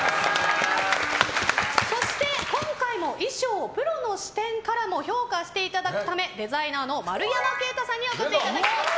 そして、今回も衣装をプロの視点からも評価していただくためデザイナーの丸山敬太さんにお越しいただきました。